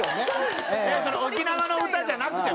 それ沖縄の歌じゃなくても？